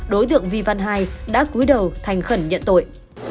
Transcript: đối tượng vy văn hải đã cuối đầu thành khẩn nhận tội